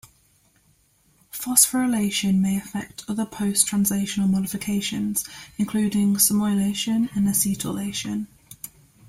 Phosphorylation may affect other post-translational modifications, including sumoylation and acetylation.